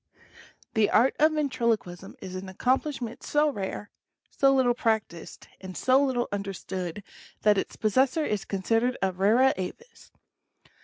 SJHE Art of Ventriloquism is an accomplishment so rare, so {J little practiced, and so little understood, that its possessor is considered a rara avis.